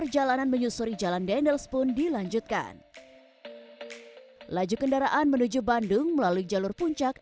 jalanan menyusuri jalan dendels pun dilanjutkan laju kendaraan menuju bandung melalui jalur puncak